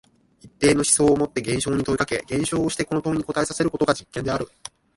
一定の思想をもって現象に問いかけ、現象をしてこの問いに答えさせることが実験である。